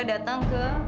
dika datang ke